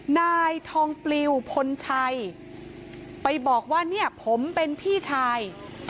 นายทองปลิวพลชัยไปบอกว่าเนี่ยผมเป็นพี่ชาย